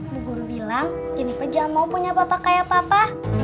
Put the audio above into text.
bu guri bilang jeniper jangan mau punya papa kayak papa